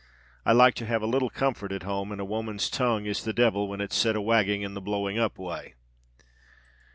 I like to have a little comfort at home; and a woman's tongue is the devil, when it's set a wagging in the blowing up way."